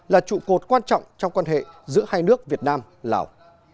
là trụ cột quan trọng trong quan hệ giữa hai nước việt nam lào